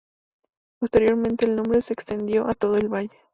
Posteriormente el nombre se extendió a todo el valle.